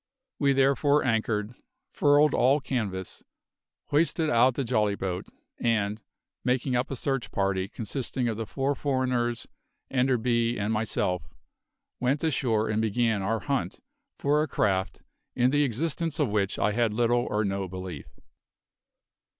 We therefore anchored, furled all canvas, hoisted out the jolly boat, and, making up a search party consisting of the four foreigners, Enderby, and myself, went ashore and began our hunt for a craft in the existence of which I had little or no belief.